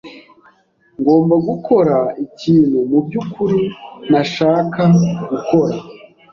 Ngomba gukora ikintu mubyukuri ntashaka gukora.